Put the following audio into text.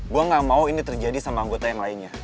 gue gak mau ini terjadi sama anggota yang lainnya